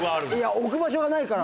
置く場所がないから。